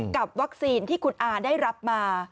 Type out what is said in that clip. กับวัคซีนที่คุณอาได้รับมา